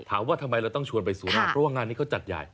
ถามว่าทำไมเราต้องชวนไปสู่หน้าเพราะว่างานนี้เขาจัดใหญ่